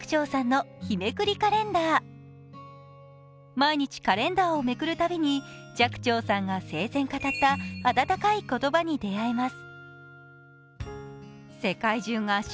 毎日、カレンダーをめくるたびに寂聴さんが生前語った温かい言葉に出会います。